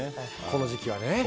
この時期はね。